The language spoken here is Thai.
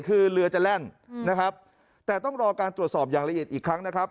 คือเรือจะแล่นนะครับแต่ต้องรอการตรวจสอบอย่างละเอียดอีกครั้งนะครับ